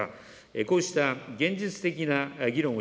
こうした現実的な議論を、